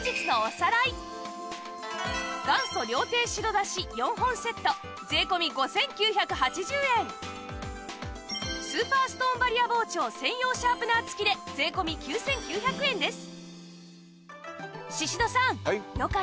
さらに元祖料亭白だし４本セット税込５９８０円スーパーストーンバリア包丁専用シャープナー付きで税込９９００円です